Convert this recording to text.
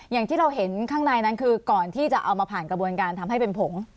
อย่างที่เราเห็นข้างในนั้นคือก่อนที่จะเอามาผ่านกระบวนการทำให้เป็นผง